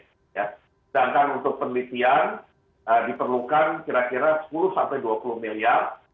sedangkan untuk penelitian diperlukan kira kira sepuluh sampai dua puluh miliar